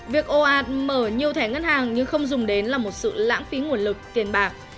việc ồ ạt mở nhiều thẻ ngân hàng nhưng không dùng đến là một sự lãng phí nguồn lực tiền bạc